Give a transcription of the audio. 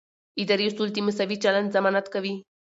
اداري اصول د مساوي چلند ضمانت کوي.